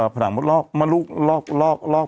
ผนังมดลอกมดลูกลอก